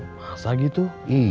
memang dimalukan kebo bagailya